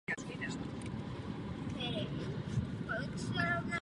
Jde o typickou úlohu při ovládání či regulaci.